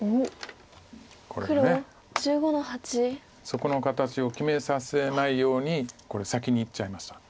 そこの形を決めさせないようにこれ先にいっちゃいました。